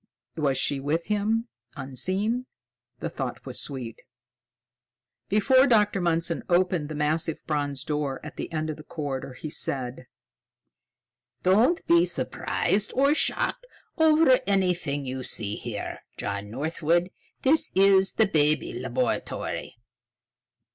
Was she with him, unseen? The thought was sweet. Before Dr. Mundson opened the massive bronze door at the end of the corridor, he said: "Don't be surprised or shocked over anything you see here, John Northwood. This is the Baby Laboratory."